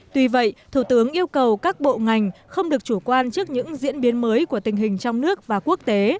tuy vậy thủ tướng yêu cầu các bộ ngành không được chủ quan trước những diễn biến mới của tình hình trong nước và quốc tế